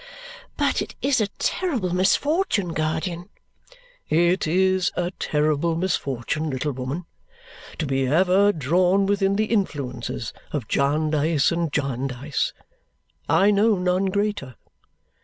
"But it is a terrible misfortune, guardian." "It is a terrible misfortune, little woman, to be ever drawn within the influences of Jarndyce and Jarndyce. I know none greater.